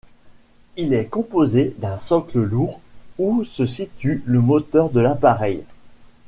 Il est composé d'un socle lourd, où se situe le moteur de l'appareil.